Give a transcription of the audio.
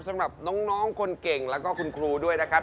สำหรับน้องคนเก่งแล้วก็คุณครูด้วยนะครับ